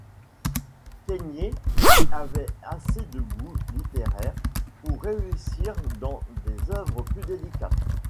Caigniez avait assez de goût littéraire pour réussir dans des œuvres plus délicates.